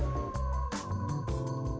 bahkan kita pasti bisa coba ya deh